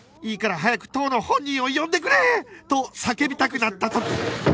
いいから早く当の本人を呼んでくれ！と叫びたくなった時